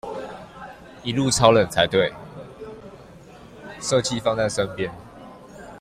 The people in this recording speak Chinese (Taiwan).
設計放在身邊